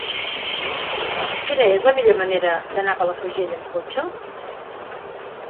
Quina és la millor manera d'anar a Palafrugell amb cotxe?